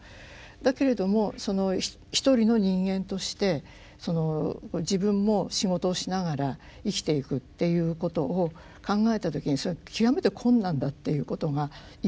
だけれども一人の人間として自分も仕事をしながら生きていくっていうことを考えた時にそれは極めて困難だっていうことがいまだに続いている。